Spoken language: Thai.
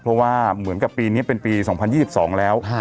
เพราะว่าเหมือนกับปีนี้เป็นปี๒๐๒๒แล้ว